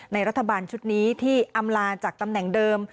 รัฐบาลชุดนี้ที่อำลาจากตำแหน่งเดิม